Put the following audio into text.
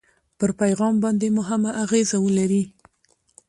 پر پیغام باندې مهمه اغېزه ولري.